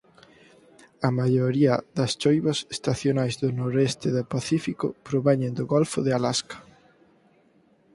A maioría das choivas estacionais do Noroeste do Pacífico proveñen do golfo de Alasca.